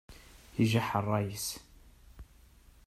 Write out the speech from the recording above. Ijaḥ ṛṛay-is.